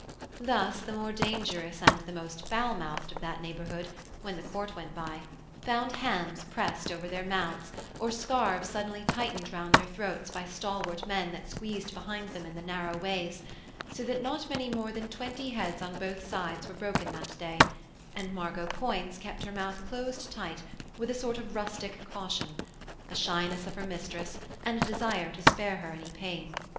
Thus the more dangerous and the most foul mouthed of that neighbourhood, when the Court went by, found hands pressed over their mouths or scarves suddenly tightened round their throats by stalwart men that squeezed behind them in the narrow ways, so that not many more than twenty heads on both sides were broken that day; and Margot Poins kept her mouth closed tight with a sort of rustic caution a shyness of her mistress and a desire to spare her any pain.